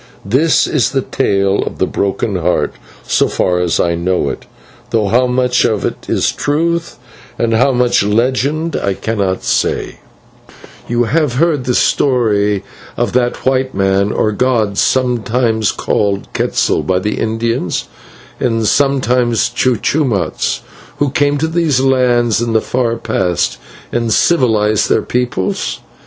This is the tale of the Broken Heart, so far as I know it, though how much of it is truth and how much is legend I cannot say: "You have heard the story of that white man, or god, sometimes called Quetzal by the Indians, and sometimes Cucumatz, who came to these lands in the far past and civilised their peoples?